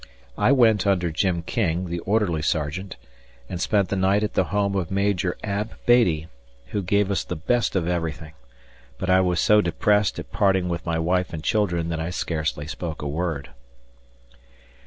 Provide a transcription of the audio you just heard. I went under Jim King, the orderly sergeant, and spent the night at the house of Major Ab. Beattie, who gave us the best of everything, but I was so depressed at parting with my wife and children that I scarcely spoke a word.